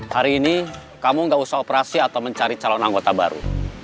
hari ini kamu gak usah operasi atau mencari calon anggota baru